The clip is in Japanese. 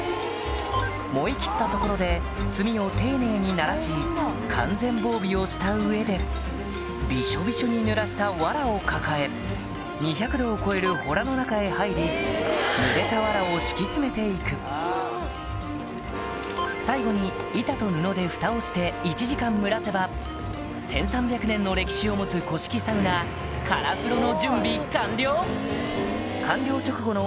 燃え切ったところで丁寧に完全防備をした上でビショビショにぬらした藁を抱え２００℃を超える洞の中へ入りぬれた最後に板と布で蓋をして１時間蒸らせば１３００年の歴史を持つ古式サウナの準備完了！